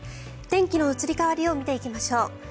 天気の移り変わりを見ていきましょう。